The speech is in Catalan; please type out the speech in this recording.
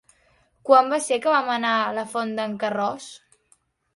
Quan va ser que vam anar a la Font d'en Carròs?